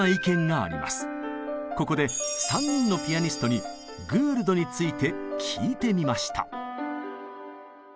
ここで３人のピアニストにグールドについて聞いてみました。